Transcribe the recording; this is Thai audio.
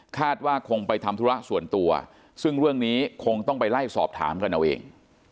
ว่าคงไปทำธุระส่วนตัวซึ่งเรื่องนี้คงต้องไปไล่สอบถามกันเอาเอง